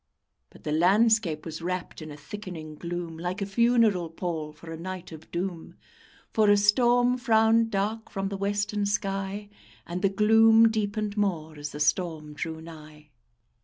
But the landscape was wrapped in a thickening gloom, Like a funeral pall for a night of doom; For a storm frowned dark from the western sky, And the gloom deepened more as the storm drew nigh.